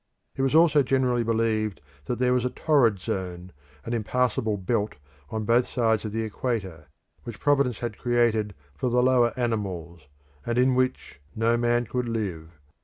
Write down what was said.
It was also generally believed that there was a torrid zone, an impassable belt on both sides of the equator, which Providence had created for the lower animals, and in which no man could live.